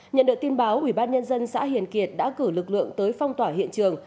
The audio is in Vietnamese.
nhận được tin báo ủy ban nhân dân xã hiền kiệt đã cử lực lượng tới phong tỏa hiện trường